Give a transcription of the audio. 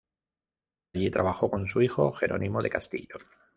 Allí trabajó con su hijo Jerónimo de Castillo.